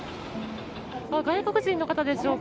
外国人の方でしょうか。